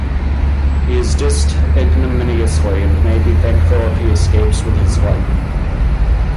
He is dismissed ignominiously and may be thankful if he escapes with his life.